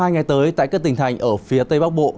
hai ngày tới tại các tỉnh thành ở phía tây bắc bộ